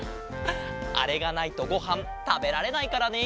あれがないとごはんたべられないからね。